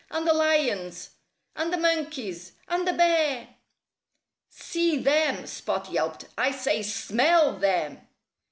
"And the lions! And the monkeys! And the bear!" "See them!" Spot yelped. "I say, smell them!"